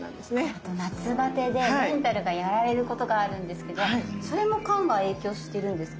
あと夏バテでメンタルがやられることがあるんですけどそれも肝が影響してるんですか？